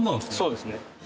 そうですね。